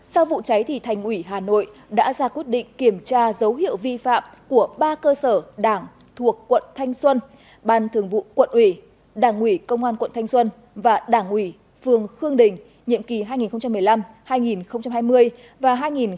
sau vụ cháy thì thành ủy hà nội đã ra quyết định kiểm tra dấu hiệu vi phạm của ba cơ sở đảng thuộc quận thanh xuân ban thường vụ quận ủy đảng ủy công an quận thanh xuân và đảng ủy phường khương đình nhiệm kỳ hai nghìn một mươi năm hai nghìn hai mươi và hai nghìn hai mươi hai nghìn hai mươi năm